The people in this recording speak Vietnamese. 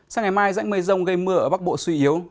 sáng ngày mai rãnh mây rông gây mưa ở bắc bộ suy yếu